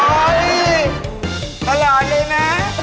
โอ้ยขนาดนี้นะ